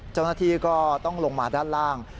เจ้าหน้าที่ก็ต้องลงมาด้านล่าง